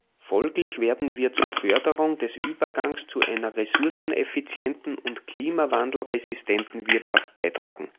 Folglich werden wir zur Förderung des Übergangs zu einer ressourceneffizienten und klimawandelresistenten Wirtschaft beitragen.